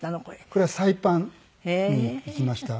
これはサイパンに行きました。